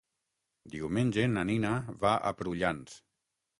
Diumenge na Nina va a Prullans.